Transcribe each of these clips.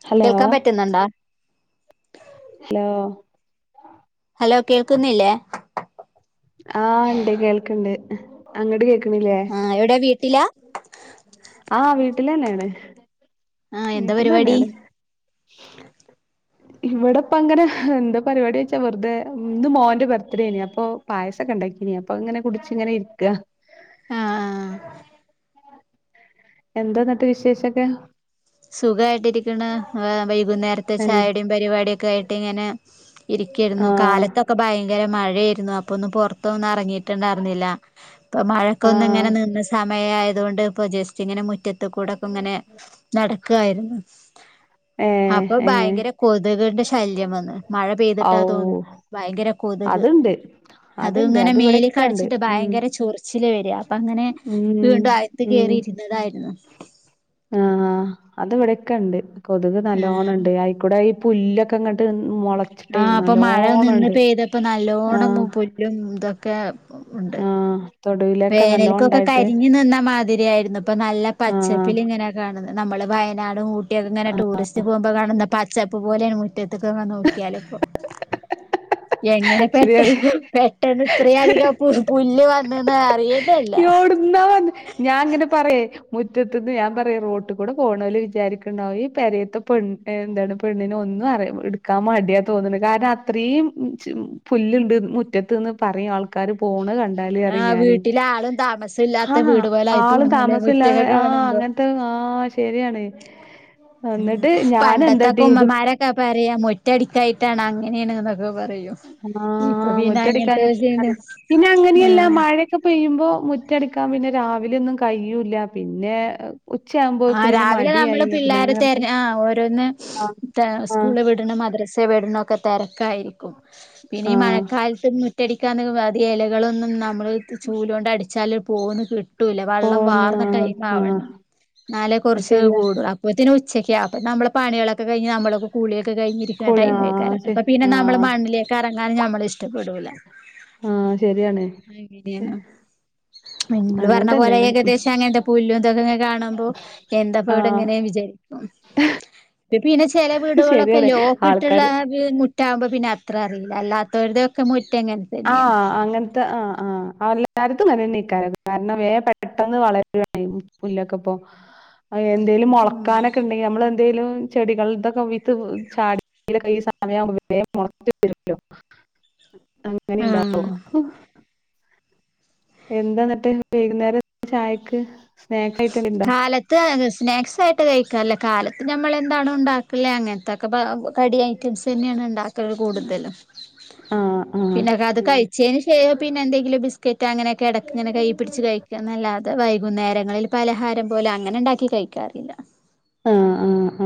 ആഹ് കേൾക്കാൻ പറ്റുന്നുണ്ടോ hello hello കേൾക്കുന്നില്ലേ ആഹ് ഇണ്ട് കേൾക്ണ്ട് അങ്ങട്ട് കേക്ക്ണില്ലേ ആഹ് എവിടെ വീട്ടിലാ ആഹ് വീട്ട്ല് അനെന്ന് ആ എന്താ വീട്ട് ല് പരിപാടി എന്നെണ് ഇവിടെപ്പ അങ്ങനെ എന്താ പരിപാടി വെച്ചാ വെറുതെ ഇന്ന് മോന്റെ ബർത്ത്ഡേ ഏനി അപ്പൊ പായസൊക്കെണ്ടാക്കിനി അപ്പൊ ഇങ്ങനെ കുടിച്ച് ഇങ്ങനെ ഇരിക്കാ ആഹ് ആഹ് എന്താ എന്നിട്ട് വിശേഷൊക്കെ സുഖമായിട്ടിരിക്ണ് വൈകുന്നേരത്തെ ആഹ് ചായടയും പരിപാടിയൊക്കെ ആയിടിങ്ങനെ ഇരിക്കെയിരുന്നു കാലത്തൊക്കെ ഭയങ്കര മഴയായിരുന്നു ഇപ്പൊന്നും പുറത്തൊന്നും ഇറങ്ങിയിട്ടുണ്ടായിരുന്നില്ല ഇപ്പൊ മഴക്കൊന്ന് ഇങ്ങനെ ആഹ് നിന്ന സമയായതുകൊണ്ട് ഇപ്പൊ ജസ്റ്റ് ഇങ്ങനെ മുറ്റത്ത് ക്കു കൂടെക്കെ ഇങ്ങനെ നടക്കായിരുന്നു ഏഹ് അപ്പൊ ഏഹ് ഭയങ്കര കൊതുകിന്റെ ശല്യം വന്ന് മഴ ഔ പെയ്തിട്ടാ തോന്നുന്നത് ഭയങ്കര കൊതുക് അത്ണ്ട് അത് അത്ണ്ട് ഇങ്ങനെ മേൽ ഇവിടെക്കെണ്ട് കടിച്ചിട്ട് ഉം ഭയങ്കര ചൊറിച്ചില് വരാ അപ്പ അങ്ങനെ ഉം വീണ്ടും അഴത്ത് ഉം കേറിയിരുന്നതായിരുന്നു ആഹ് അത് ഇവിടെക്കെ ഇണ്ട് കൊതുക് നല്ലോണം ആഹ് ഇണ്ട് ആയിക്കൂടെ ഈ പുല്ലൊ പുല്ലൊക്കെ ക്കങ്ങോട്ട് മുളച്ചിട്ടേ ആഹ് അപ്പൊ മഴ നല്ലോണം ഇണ്ട് ആഹ് എന്തെക്കെ ആഹ് തൊടുവിലൊക്കെ നല്ലോണം വേനൽക്കൊക്കെ ഇണ്ടായിട്ട് കരിഞ്ഞു നിന്ന മാതിരി ആയിരുന്നു ഇപ്പൊ നല്ല ആഹ് പച്ചപ്പില് ഇങ്ങനെ കാണുന്നത് നമ്മള് വയന നാടും ഊയൊക്കെ ഇങ്ങന ടൂറിസ്റ്റ് പോകുമ്പോൾ കാണുന്ന പച്ചപ്പ് പോലെയാണ് മുറ്റത് മുറ്റത്ക്ക് നോക്കിയാൽ ഇപ്പൊ എങ്ങനെ പെട്ട ശരിയാണ് പെട്ടെന്ന് ഇത്ര അധികം പുല്ല് വന്ന് അറിയെന്നല്ല [unintelligible] ഞാൻ ഇങ്ങനെ പറയെ മുറ്റന്ന് ഞാൻ പറയെ റോട്ട് കൂടെ പോണോല് വിചാരിക്കണ്ടാവ ഈ പരയത്തെ പെ എന്താണ് പെണ്ണിന് ഒന്നും അറിയ എടുക്കാൻ മടിയാ തോന്നുന്നത് കാരണം അത്ര യീം പുല്ല്ണ്ട് മുറ്റത്ത്ന്ന് പറയും ആൾക്ക ര് പോണെകണ്ടാല് ന്അറി ആഹ് ഞാനെ വീട്ടില് ആളും താമസം ഇല്ലാത്ത ആഹ് വീട് പോലായി ആള് തോന്നൂലേ മുറ്റൊക്കെ താമസല്ലാതെ കാണുമ്പോ ത്ത് ആഹ് ശരിയാണ് എന്നിട്ട് ഞാൻ എന്താട്ടി ഇത് ക്ക പറയാം മൊറ്റടിക്കായിട്ടാണ് അങ്ങനെ ന്ന് ന്നൊക്കെ പറയും ഇപ്പൊ ആഹ് പിന്നെ അങ്ങനത്തെ മുറ്റടിക്കഞ്ഞിട്ട് പിന്നെ അങ്ങനെയല്ല ആഹ് മഴ മയഒക്കെ പെയ്യുമ്പോ മുറ്റടക്കാൻ പിന്നെ രാവിലെന്നും കഴൂല്ല പിന്നെ ഉച്ചയാകുമ്പോഴേക്ക് ആഹ് പിന്നെ രാവിലെ മടിയായി നമ്മള് പിന്നെ പിള്ളേരെ അങ്ങനെ തര കിടക്കും ആഹ് ഓരോന്ന് ആഹ് ആഹ് സ്കൂള വിടണ മദ്രസ് ടുന്ന ഒക്കെ തിരക്കായിരിക്കും പിന്നെ ഈ ആഹ് മഴക്കാലത്ത് മാറ്റടിക്കാന് അതി ഇലകളൊന്നും നമ്മൾ ചൂലൊണ്ട് അടിച്ചാൽ പോന്ന് കിട്ടു കിട്ടൂല്ല വെള്ളം പോന്ന് വാർന്ന ആഹ് ടൈം ആഹ് ആവണം നാലേ അത് കുറച്ച് ശരിയാ കൂടും അപ്പത്തിന്നും ഉച്ചക്കെ അപ്പ നമ്മളെ പണികളൊക്കെ കയിഞ്ഞ് നമ്മളൊക്കെ കളിയൊക്കെ കഴിഞ്ഞി കുളി ടൈമ് ആഹ് ഏക്കാരം ശ അപ്പ പ്പി ന്നെ നമ്മള് ആഹ് മണ്ണിലൊക്കെ ഇറങ്ങാൻ നമ്മള് ഇഷ്ടപ്പെടൂല ആഹ് ശരിയാണ് [unintelligible] നിങ്ങൾ അങ്ങനെ പറഞ്ഞ പോലെ തന്നെയാണ് ഉം. ഏകദേശം അങ്ങനെന്താ പുല്ലുംന്തൊക്കെങ്ങെ കാണുമ്പോ എന്താപ്പ ഇവിടെ ഇങ്ങനെ ആഹ് വിചാരിക്കും പിന്നെ ചെല വീടുകളൊക്കെ ശരിയാണ് ലോക്ക്‌ ഇട്ടുള്ള ആൾക്കാര് മു റ്റാവുമ്പോ പിന്നെ അത്ര അറിയില്ല അല്ലാത്തവരുടതൊക്കെ മുറ്റ എങ്ങനെ ആഹ് അങ്ങനെ ആഹ് ആഹ് എല്ലായിടത്തും അങ്ങനെക്കാ കാരണം വേ പെട്ടെന്ന് വളരുവാ ചെയ്യുന്നേ പുല്ലൊക്കെ ഇപ്പോ എന്തെങ്കലും മൊളക്കാനൊക്കെ ഉണ്ടെങ്കിൽ നമ്മള് എന്തേലും ചെടികൾ ഇതൊക്കെ വിത്ത് ചാടിക്കെ ഈ സമയംആകുമ്പോ വേഗം മൊളച്ചു വരുല്ലോ അങ്ങനെ ഇണ്ടാവോ ആഹ് എന്താ എന്നിട്ടേ വൈകുന്നേരം ചായക്ക് സ്നാക്സ് യിട്ട് എന്താ ഉണ്ടോ അത് സ്നാക്സ് ആയിട്ട് കഴിക്കാല്ലേ കാലത്ത് നമ്മൾെന്താണ ഉണ്ടാക്കില്ല് അങ്ങനത്തൊക്കെ കടി ഐറ്റംസ് തന്നെയാണ് ഉണ്ടാക്കൽ കൂടുതലും ആഹ് ആഹ് പിന്നെ അത് കഴിച്ചതിന് ശേഷം പിന്നെ എന്തെങ്കിലും ബിസ്ക്കറ്റ് അങ്ങനെയൊക്കെ എടക്ക് ഇങ്ങെ കയി പിടിച്ച് കഴിക്കും ക്കുംന്നല്ലാതെ വൈകുന്നേരങ്ങളിൽ പലഹാരം പോലെ അങ്ങനെ ഉണ്ടാക്കി കഴിക്കാറില്ല ആഹ് ആഹ്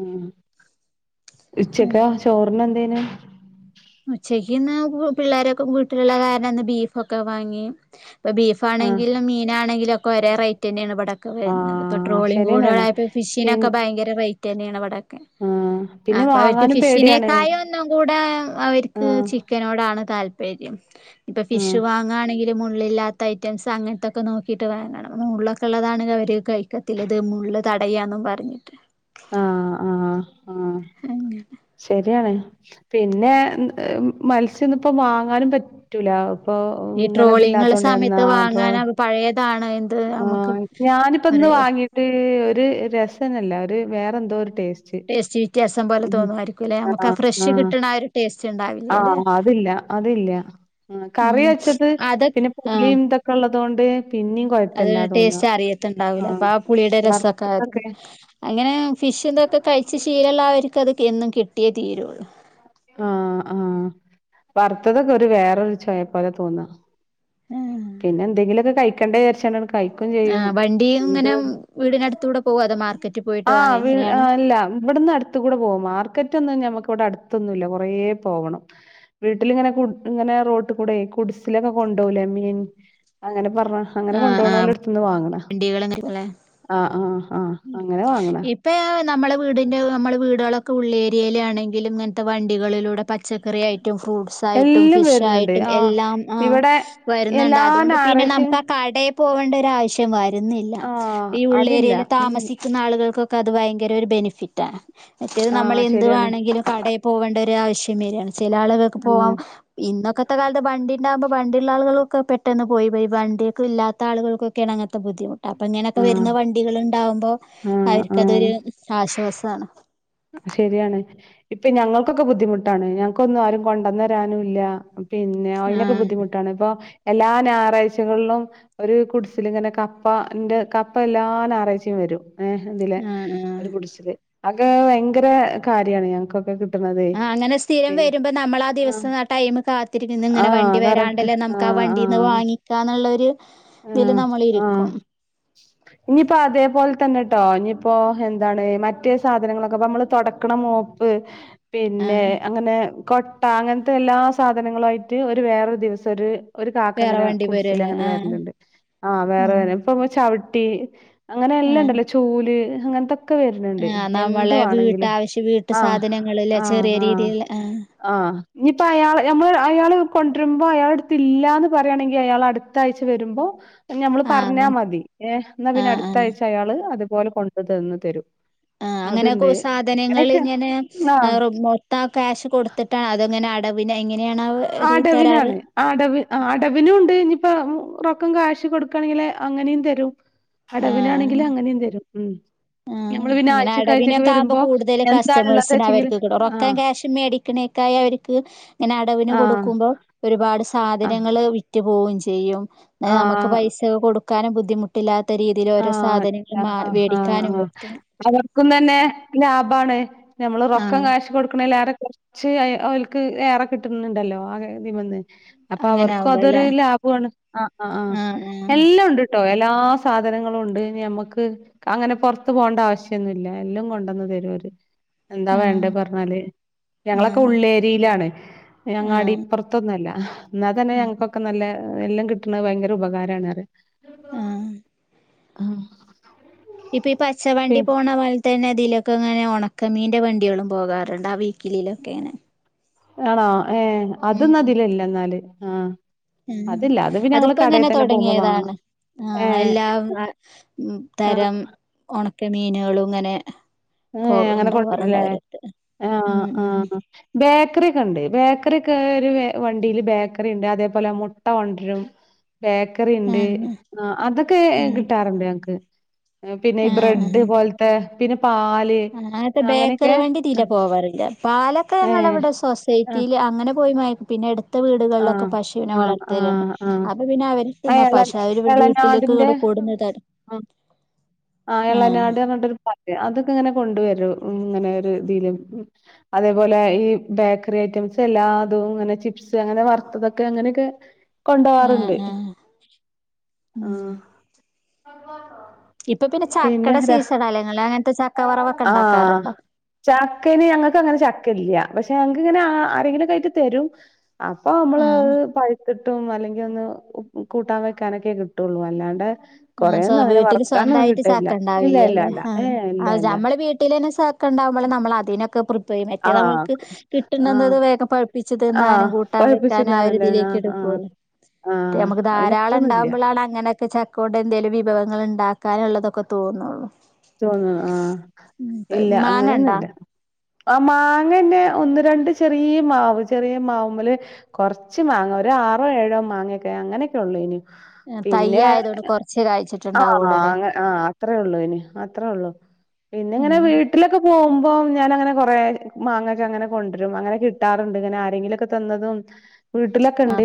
ആഹ് ഉച്ചക്കാ ചോർന് എന്തേനു? ഉച്ചക്ക് ഇന്ന് പിള്ളേരൊക്കെ വീട്ടിലുള്ള കാരണംന്ന് ബീഫൊക്കെ വാങ്ങി ഇപ്പോൾ ആഹ് ബീഫാണെങ്കിലും മീനാണെങ്കിലും ഒക്കെ ഒരേ റേറ്റ് തന്നെയാണ് ഇവിടക്ക് വരുന്നത് ഇപ്പോ ആഹ് ട്രോളിങ്ങ്കൂടെ ശരിയന്നെയാണ് ആയപ്പോൾ പി ഫിഷിനൊക്കെ ഭയങ്കര റേറ്റ് തന്നെയാണ് ഇവിടൊക്കെ ആഹ് പിന്നെ അപ്പൊ അവർക്ക് വാങ്ങാനും പേടിയാണ് ഫിഷിനേക്കായ ഒന്നും കൂടെ അവർക്ക് ആഹ് ചിക്കനോടാണ് താല്പര്യം ഇപ്പം ഫിഷ് ആഹ് വാങ്ങ ങ്ങാണെങ്കിൽ മുള്ളില്ലാത്ത ഐറ്റംസ് അങ്ങനത്തെയക്കെ നോക്കിട്ട് വാങ്ങണം മുള്ളക്കെള്ളതണെങ്കിൽ അവർ കഴിക്ക് ക്കത്തില്ല ഇത് മുള്ള് തടയാന്നും പറഞ്ഞിട്ട് ആഹ് ആഹ് ആഹ് അങ്ങനെ ശരിയാണ് പിന്നെ മത്സ്യമൊന്നും ഇപ്പം വാങ്ങാനും പറ്റൂല അപ്പൊ ഈ ട്രോളിങ്ങുള്ള സമയത്ത് ഇങ്ങനതില്ലാത്തോണ്ടന്നാ ട്രോൾ വാങ്ങാന പഴയതാണ് നമുക്ക് ആഹ് ഞാനിപ്പ ഇന്ന് പറയ വാങ്ങീട്ട് ഒരു രസന്നില്ല ഒരു വേറെ എന്തോ ഒരു ടേസ്റ്റ് ടേസ്റ്റ് വ്യത്യാസം പോലെ ഉം തോന്നുമായരിക്കും അല്ലെ നമുക്ക് ആ ആഹ് ഫ്രഷ് ആഹ് കിട്ടണ ആ ഒരു ടേസ്റ്റ് ഉണ്ടാവില്യ അല്ലെ ആഹ് അതില്ല അതില്ല ഉം കറി വെച്ചത് അതൊ പിന്നെ ആഹ് പുളിയും ഇതൊക്കെ ഉള്ളത് കൊണ്ട് പിന്നെം കൊഴപ്പ അത് ടേസ്റ്റ് അറിയത്തുണ്ടാവില്ല അപ്പൊ ആ പുളിയുടെ രസൊക്കെ അ വറുത്തതൊക്കെ അങ്ങനെ ഫിഷ് ഇതക്കെ കഴിച്ച ശീലമുള്ള അവർക്ക് അത് എന്നും കിട്ടിയേ തീരുള്ളൂ ആഹ് ആഹ് വറുത്തതൊക്കെ ഒരു വേറെരു ചൊയ പോലെ തോന്നാ പിന്നെ എന്തെങ്കിലൊക്കെ കഴിക്കണ്ടെ വിചാരിച്ചാണ് കഴി ഴിക്കും ചെയ്യും ആഹ് വണ്ടി ഇങ്ങനെ എന്തുവാണ് വീടിനടുത്തൂടെ പോവോ അതോ മാർക്കറ്റിൽ പോയിട്ട് ആഹ് വാങ്ങോ വീ എങ്ങനെയാണ് ആല്ല ഇവിടു ത്തു കൂടെ പോകും മാർക്കറ്റ് ഒന്നും ഞമ്മക്ക് ഇവിടെ അടുത്തൊന്നുമില്ല കുറേ പോകണം വീട്ടിലിങ്ങനെ ഇങ്ങനെ റോട്ട് കൂടെ കുടിസിലൊക്കെ കൊണ്ടപോകലേ മീൻ അങ്ങനെ പറഞ്ഞ് അങ്ങനെ ആഹ് കൊണ്ടപോണല്ലോ ആഹ് അടുത്തുന്ന് വാങ്ങണം വണ്ടികള് ആഹ് ആഹ് ആഹ് ഉം അങ്ങനെ വാങ്ങണ ഇപ്പ നമ്മളുടെ വീടിന്റെ നമ്മുടെ വീടുകളൊക്കെ ഉള്ളേരിയില് ആണെങ്കിലും ഇങ്ങനത്തെ വണ്ടികളിലൂടെ പ പച്ചക്കറി ആയിട്ടും ഫ്രൂട്ട്സ് ആയിട്ടും എല്ലാം ഫിഷ് വരുന്നുണ്ട് ആയിട്ടും ആഹ് എല്ലാം ആ ഇവിടെ വരുന്നുണ്ട് എല്ലാ അതുകൊണ്ട് പിന്നെ ഞായറാഴ്ചയും നമുക്ക് ആ കടെ പോകേണ്ട ഒര് ആവശ്യം വരുന്നില്ല ആഹ് ഈ അതില്ല ഉള്ളേരിയയില് ഉം താമസി ക്കുന്ന ആളുകൾക്കൊക്കെ അത് ഭയങ്കര ഒരു ബെനിഫിറ്റാണ് മറ്റേത് നമ്മൾ ആഹ് എന്തു ശരിയാണ് വേണമെങ്കിലും കടയിൽ പോകേണ്ട ഒരു ആവശ്യം വരിയാണ് ചെല ആളുകൾക്ക് പോവാൻ ആഹ് ഇന്നൊക്കത്തെ കാലത്ത് വണ്ടി ഉണ്ടാകുമ്പോ വണ്ടിയൂള്ള ആളുകളൊക്കെ പെട്ടെന്ന് പോയിവരും വണ്ടിയൊക്കെ ഇല്ലാത്ത ആളുകൾക്കൊ ക്കെ അങ്ങനത്തെ ബുദ്ധിമുട്ട് അപ്പ ഇങ്ങനൊക്കെ ആഹ് വരുന്ന വണ്ടികളും ഉണ്ടാവുമ്പോ ആഹ് ആഹ് അവർക്ക്തൊരു ആശ്വാസമാണ് ശരിയാണ് ഇപ്പൊ ഞങ്ങൾക്കൊക്കെ ബുദ്ധിമുട്ടാണ് ഞങ്ങൾക്കൊന്നും ആരും കൊണ്ടന്നരാനുംല്ല പിന്നെ അതിനൊക്കെ ആഹ് ബുദ്ധിമുട്ടാണ് ഇപ്പൊ എല്ലാ ഞായറാഴ്ചകളിലും ഒരു കുടിസിലിങ്ങനെ കപ്പന്റെ കപ്പ എല്ലാ ഞായറാഴ്ചിം വരും ഏഹ് ഇതില് ആഹ് ഒരു ആഹ് ഗുഡ്സിൽ അക ഭയങ്കര കാര്യാണ് ഞങ്ങക്കൊക്കെ കിട്ടണതേ. ആഹ് അങ്ങനെ സ്ഥിരം പിന്നെ വരുമ്പോ നമ്മൾ ആ ആഹ് ദിവസം ആ ടൈം കാത്തിരിക്കുന്നു ഇങ്ങനെ ആഹ് വണ്ടി വരാ കറക്റ്റ് ല്ല നമുക്ക് ആ ആഹ് വണ്ടിന്ന് ആഹ് വാങ്ങിക്കാന്നുള്ളരു ഇതില് ആഹ് നമ്മൾ ആഹ് ഇരിക്കും. ഇനിയിപ്പോ അതേപോലെ തന്നെട്ടോ ഇനിയിപ്പോ എന്താണ് മറ്റേ സാധനങ്ങളൊക്കെ നമ്മള് തൊടക്കണ മോപ്പ് പിന്നെ ആഹ് അങ്ങനെ കൊട്ട അങ്ങനത്തെ എല്ലാ സാധനങ്ങളും ആയിട്ട് ഒരു വേറൊരു ദിവസം ഒരു ഒരു കാക്ക വേറെ അങ്ങനെ വണ്ടി കുടിസില് വരുവല്ലേ അങ്ങനെ ആഹ് വരലിണ്ട് ആ വേറെ ആഹ് ഇപ്പൊ ചവിട്ടി അങ്ങനെ എല്ലാം ആഹ് ഉണ്ടല്ലോ ചൂല് അങ്ങനത്തൊക്കെ വരുന്നുണ്ട് ആഹ് എ എന്തു നമ്മളെ ആണെങ്കിലും വീട്ടാവശ്യ വീട്ടു ആഹ സാധനങ്ങളില്ലേ ചെറിയ ആഹ രീതിയിൽ ആഹ് ആഹ ആഹ ഇനിയിപ്പോ അയാൾ നമ്മൾ അയാൾ കൊണ്ടുവരുമ്പോ അയാൾടെ അടുത്തില്ലാന്ന് പറയാണെങ്കിൽ അയാൾ അടുത്താഴ്ച വരുമ്പോ ഞമ്മള് ആഹ് പറഞ്ഞാൽ നം മതി ഏ എന്നാ പിന്നെ ആഹ് അടുത്ത ആഹ് ആഴ്ച അയാള് അതുപോലെ കൊണ്ട് തന്ന് തരും. ആഹ് അങ്ങനെ അതുണ്ട് സാധനങ്ങൾ അങ്ങനെയൊക്കെ ഇങ്ങനെ ആഹ് മൊത്തം ക്യാഷ് കൊടുത്തിട്ടാ അതങ്ങനെ അടവ് എങ്ങനെയാണ് അവര് തരാറ് അടവി അടവിനും ഉണ്ട് ഇനിയിപ്പം റെയക്കം കാശ് കൊടുക്കാണെങ്കില് അങ്ങനെയും തരും. ആഹ് അടവിനാണെങ്കിലും അങ്ങനേം തരും ഉം ആഹ് നമ്മള് പിന്നെ ഇങ്ങനെ ആഴ്ചക്കാഴ്ചൊക്കെ അടവിനൊക്കെ ആവുമ്പോ വരുമ്പോ കൂടുതൽ എന്താണ് ഉള്ളത് കസ്റ്റമേഴ്സിന് വെച്ചെങ്കിൽ അവർക്ക് കിട്ടും ആഹ റൊക്കം ക്യാഷ് മേടിക്കണേക്കായി അവർക്ക് ഇങ്ങനെ അടവിന് ആഹ് കൊടുക്കുമ്പോ ഒരുപാട് ആഹ് സാധനങ്ങൾ വി വിറ്റ് പോവേം ചെയ്യും നമുക്ക് ആഹ് പൈസ കൊടുക്കാനും ബുദ്ധിമുട്ട് ട്ടില്ലാത്ത രീതിൽ ഓരോ ആഹ് സാധനങ്ങൾ ആഹ് മാറി ആഹ് വേടി ആഹ് അവർക്കും തന്നെ ലാഭാണ് നമ്മള് റെക്കം ആഹ് കാശ് കൊടുക്കണേൽ ഏറേ ച്ച് അവർക്ക് ഏറെ കിട്ടുന്നുണ്ടല്ലോ ആതിമന്ന് അപ്പൊ അങ്ങനെ അവർക്കും അതൊരു ആവുമ്പോല്ലേ ലാഭാണ് ആഹ് ആഹ് ആഹ് എല്ലാം ഉണ്ട്ട്ടോ എല്ലാ സാധ സാധനങ്ങളും ഉണ്ട് നമ്മുക്ക് അങ്ങനെ പുറത്ത് പോകേണ്ട ആവശ്യോന്നുല്ല എല്ലാം കൊണ്ടുവന്ന് തരും അവര് എന്താ വേണ്ടത് ആഹ് പറഞ്ഞാല് ഞങ്ങളൊക്കെ ആഹ് ഉള്ളേ വെയിലാണ് അങ്ങാടി ആഹ് പ്പുറത്തൊന്നുല്ല എന്നാൽ തന്നെ ആഹ് ഞങ്ങക്കൊക്കെ നല്ല എല്ലാം കിട്ട്ണ ഭയങ്കര ഉപകാരാണ് ആഹ് ആഹ് ഇപ്പൊ ഈ പി പച്ചവണ്ടി പോണ പോല തന്നെ അതിലൊക്കെങ്ങെന ഉണക്കമീൻ്റെ വണ്ടികളും പോകാറുണ്ട് ആ വീക്കിലിലൊക്കെണ് ആണോ ഏഹ അതോന്നും ഉം അതിലില്ല എന്നാല് ആഹ ഉം അതിപ്പോ ഇങ്ങനെ പോകുമ്പോ വാങ്ങണം തുടങ്ങിയതാണ് ആഹ് ഏഹ് എല്ലാം ആഹ് തരം ഉണക്ക മീനുകളും ഇങ്ങനെ ഹേ, പോ അങ്ങനെ ഉണ്ടാവാറുണ്ട് കൊണ്ടരൂല്ലേ അവരടുത്ത് ആഹ ഉം ഉം ആഹ ബേക്കറി ഒക്കെ ഉണ്ട് ബേക്കറി ഒക്കെ ഒരു വണ്ടിയില് ബേക്കറി ഉണ്ട് അതേപോലെ മുട്ട കൊണ്ടരും. ബേക്ക് ബേക്കറിണ്ട് ആഹ് അതൊക്കെ ആഹ് കിട്ടാറുണ്ട് ഞങ്ങക്ക് പിന്നെ ഈ ആഹ് ബ്രെഡ് ആഹ് പോല ത്തെ പിന്നെ പാല് ബേക്കറി അങ്ങനെയൊക്കെ വണ്ടി ഇതിലെ പോവാറില്ല പാലൊക്കെ ഏഹ് ഞങ്ങളവിടെ സൊസൈറ്റി ആഹ് റ്റി അങ്ങനെ പോയി മേ പിന്നെ എട് അടുത്ത വീടുകളിലൊക്കെ ആഹ് പശുവിനെ ആഹ് വളർത്തലുണ്ട് ആഹ് ആഹ് അപ്പൊ പിന്നെ അവർക്ക് ആ എള പശ [unintelligible] വീട്ടിലേക്ക് എളനാടിന്റെ ഇങ്ങട്ട് കെട്ന്ന് തരും ആ ആഹ് എളനാട് എന്നട്ടൊരു പാലില്ലേ അതൊക്കെ ഇങ്ങനെ കൊണ്ട് വരും ഇങ്ങനെ ഒരു ഇതീല് അതേപോലെ ഈ ബേക്കറി ഐറ്റംസ് എല്ലാ അതും ഇങ്ങനെ ചിപ്സ് അങ്ങനെ വറുത്തതൊക്കെ അങ്ങനെയൊക്കെ ആഹ് കൊണ്ടൊവാറുണ്ട് ആഹ് ഉം ആഹ് ഇപ്പൊ പിന്നെ ചക്കടെ സീസണല്ലേ നിങ്ങള് അങ്ങനത്തെ ചക്ക വറവൊക്കെ ആഹ് ഉണ്ടാക്കാറുണ്ടോ? ചക്കന് ഞങ്ങൾക്ക് അങ്ങനെ ചക്ക ഇല്ല പക്ഷെ ഞങ്ങക്ക് ഇങ്ങനെ ആരെങ്കിലുക്കെ ആയിട്ട് തരും. അപ്പൊ നമ്മള് ആഹ് അഹ് പഴു കിട്ടും അല്ലെങ്കിൽ ഒന്ന് കൂട്ടാൻ വെക്കാനൊക്കെ കിട്ടൊള്ളൂ അല്ലാണ്ട് ആഹ് കൊറേയൊന്നും അങ്ങനെ വീട്ടിൽ വറക്കാനൊന്നും സ്വന്തായിട്ട് കിട്ടലില്ല ചക്ക ഇല്ല ഇല്ല ഇണ്ടാവില്ലാല്ലേ ഇല്ല ഏഹ് ഇല്ല ആഹ് ഇല്ല നമ്മള് വീട്ടിൽ തന്നെ ചക്ക ഇണ്ടാവുമ്പോ നമ്മളതിനൊക്കെ പ്രി യം മറ്റേ ആഹ് നമ്മക്ക് ആഹ് കിട്ടണത് വേഗം പഴുപ്പിച്ച് ആഹ് തിന്നാനും കൂട്ടാൻ വെക്കാനും ആ പഴിപ്പിച്ചിന്നാനല്ലേ ആഹ് ഒരുതിലേക്ക് ആഹ് പൊരും മറ്റേ ആഹ് നമക്ക് ധാരാളം അവനത്തൊന്നുല്ല ഇണ്ടാവുമ്പളാണ് അങ്ങനെ ചക്കൊണ്ട് എന്തേലും വിഭവങ്ങൾ ഇണ്ടാക്കാനൊള്ളതൊക്കെ തോന്നോള്ളൂ തോന്നു ആഹ് ഇല്ല മാങ്ങ ഇണ്ടാ അങ്ങനെയൊന്നൂല്ല ആഹ് മാങ്ങന്നെ ഒന്ന് രണ്ട് ചെറിയ മാവ് ചെറിയ മാവ്മ്മല് കൊറച്ച് മാങ്ങ ഒരു ആറോ ഏഴോ മാങ്ങേയൊക്കെ അങ്ങനെയൊക്കെ ഒള്ളേ നി തയ്യ് പിന്നെ ആയതുകൊണ്ട് കൊറച്ചേ ആഹ് കായ്ച്ചിട്ടുണ്ടാവുള്ളൂ അല്ലേ മാങ്ങ ആഹ് അത്രേ ഒള്ളേനി അത്രേ ഒള്ളൂ പിന്നെ ഇങ്ങനെ ഉം വീ വീട്ടിലൊക്കെ പോവുമ്പം ഞാനങ്ങനെ കൊറേ മാങ്ങേക്ക അങ്ങനെ കൊണ്ടരും അങ്ങനെ കിട്ടാറുണ്ട് ഇങ്ങനെ ആരേങ്കിലൊക്കെ തന്നതും വീട്ടിലൊക്കെ ഇണ്ട്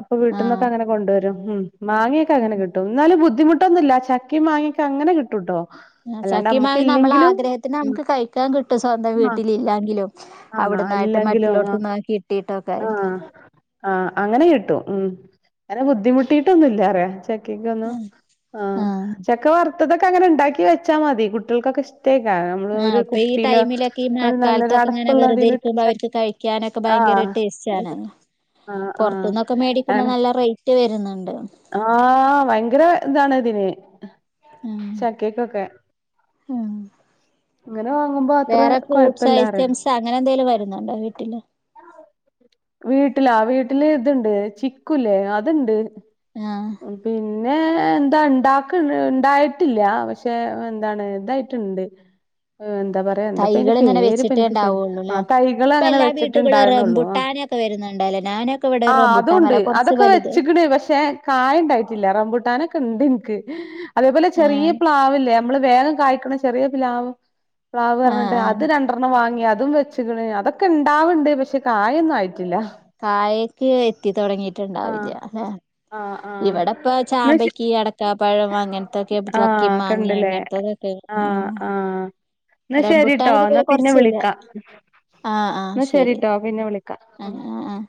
അപ്പൊ വീട്ടിന്നൊക്കെ ആഹ് അങ്ങനെ കൊണ്ടോരും ഉം മാങ്ങയൊക്കെ അങ്ങനെ കിട്ടും ന്നാലും ബുദ്ധിമുട്ടൊന്നുല്ല ചക്കേം മാങ്ങയൊക്കെ അങ്ങനെ കിട്ടൂട്ടോ അല്ലാണ്ട് ചക്കേം നമ്മക്ക് മാങ്ങേ നമ്മള് ഇല്ലെങ്കിലും ആഗ്രഹത്തിന് നമുക്ക് കഴിക്കാൻ കിട്ടും സ്വന്തം ആ വീട്ടില് ഇല്ലാങ്കിലും ആ അവിടന്നായിട്ടും ഇല്ലെങ്കിലും മറ്റുള്ളോടുത്തുന്ന കിട്ടീട്ടൊക്കെ ആഹ് അങ്ങനെ കിട്ടും ഉം അങ്ങനെ ബുദ്ധിമുട്ടിട്ടൊന്നുല്ലറിയ [unintelligible] ആഹ് ചക്ക വറുത്തതൊക്കെ അങ്ങനെ ഇ ണ്ടാക്കി വെച്ചാ മതി കുട്ടികൾക്കൊക്കെ ഇഷ് ട്ടേക്കരം നമ്മള് ആഹ് ഒരു അപ്പൊ ഈ കുപ്പിയിലോ ടൈമിലൊക്കെ ഈ നല്ലൊരു മഴക്കാലത്തൊക്കെ ഇങ്ങനെ വെറുതെ ഇരിക്കുമ്പോ അടപ്പുള്ളതിലിട്ടച അവർക്ക് കഴിക്കാനൊക്കെ ഭയങ്കര ടേസ്റ്റ് ആണ് ആഹ് ആഹ് പൊറത്തുന്ന് ഒക്കെ മേടിക്കുമ്പോ അങ്ങനെ നല്ല റേറ്റ് വരുന്നുണ്ട് ആഹ് ഭയങ്കര ഇതാണ് ഇതിന് ഉം ചക്കെ ക്കൊക്കെ ഉം ഇങ്ങനെ വാങ്ങുമ്പോ അത്ര വേറെ ഫ്രൂട്ട്സ് കൊഴപ്പല്ലാറിയാ ഐറ്റംസ് അങ്ങനെ എന്തേലും വരുന്നുണ്ടോ വീട്ടില് വീട്ടിലൊ വീട്ടില് ഇത്ണ്ട് ചിക്കുല്ലേ അത്ണ്ട് ആഹ് പിന്നെ എന്താ ഇണ്ടാക്ക്ണ്ട് ഇണ്ടായിട്ടില്ല പക്ഷെ എന്താണ് ഇതായിട്ട്ണ്ട് എന്താ പറയാ എന്താപ്പയിന്റെ തൈകൾ ഇങ്ങനെ പേര് ഇപ്പ വെച്ചിട്ടേ ഇന്ക്ക് ശരിക്ക് ഉണ്ടാവുള്ളൂല്ലേ ആഹ് തൈകളങ്ങനെ വെച്ചിട്ട് ഇണ്ടാവ്ണൊള്ളു ഒക്കെ വരുന്നുണ്ടല്ലേ ഞാന് ആഹ് അതൂണ്ട് അതൊക്കെ വെച്ച്ക്ക്ണ് പക്ഷെ കായ് ഇണ്ടായിട്ടില്ല റംബൂട്ടാനൊക്കെ ഉണ്ട് ഇന്ക്ക് അതേപോലെ ചെറിയ ആഹ് പ്ലാവ്ല്ല്ലേ നമ്മള് വേഗം കായ്ക്ക്ണ ചെറിയ പ്ലാവ് പ്ലാവ് ആഹ് പറഞ്ഞ്ട്ട് ആഹ് അത് രണ്ടർണ്ണം വാങ്ങി അതും വെച്ച്ക്ക്ണ് അതൊക്കെ ഇണ്ടാവ്ണ്ട് പക്ഷെ കായൊന്നും ആയി ട്ടില്ല കായക്ക് ആഹ് എത്തിത്തൊടങ്ങിട്ട്ണ്ടാവില്ല ലേ ആഹ് ആഹ് ഇവിടപ്പ ന്നാ ശെ ചാമ്പയ്ക്കെ അട ടക്കപഴം അങ്ങനത്തൊക്കെ ആഹ് ചക്കീം മാങ്ങേ ഒക്കെണ്ട്ല്ലേ അങ്ങനത്തതൊക്കെ ആഹ് ആഹ് എന്നാ റംബുട്ടാൻ ശരിട്ടോ എന്നാ ഇതുപോലെ പിന്നെ കൊറച്ചില്ല വിളിക്ക ആഹ് ആഹ് ന്ന ശരി ശരിട്ടോ പിന്നെ വിളിക്ക ആഹ് ആഹ് ആഹ്